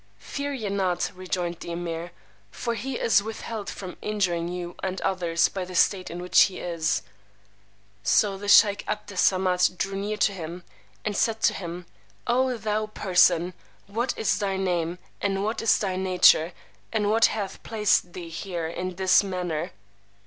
Fear ye not, rejoined the Emeer; for he is withheld from injuring you and others by the state in which he is. So the sheykh 'Abd Es Samad drew near to him, and said to him, O thou person, what is thy name, and what is thy nature, and what hath placed thee here in this manner?